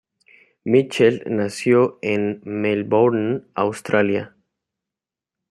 Mitchell nació en Melbourne, Australia.